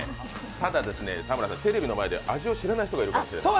ただ、テレビの前で味を知らない人がいるかもしれない。